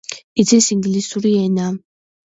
იცის ინგლისური ენა.